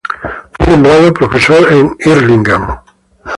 Fue nombrado profesor en Erlangen.